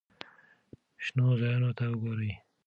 شنو ځایونو ته وګورئ.